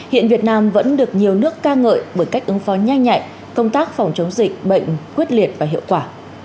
hiện việt nam vẫn được nhiều nước ca ngợi bởi cách ứng phó nhanh nhạy công tác phòng chống dịch bệnh quyết liệt và hiệu quả